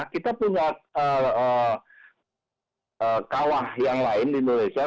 kita punya kawah yang lain di indonesia